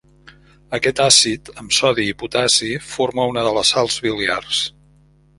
Aquest àcid, amb sodi i potassi, forma una de les sals biliars.